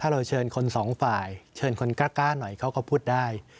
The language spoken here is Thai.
เราเชิญคนสองฝ่ายเชิญคนกล้าหน่อยเขาก็พูดได้